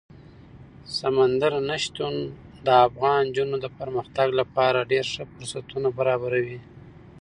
سمندر نه شتون د افغان نجونو د پرمختګ لپاره ډېر ښه فرصتونه برابروي.